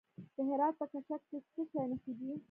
د هرات په کشک کې د څه شي نښې دي؟